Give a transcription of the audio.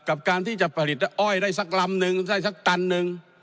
กับการที่จะผลิตอ้อยได้สักลำนึงได้สักตันหนึ่ง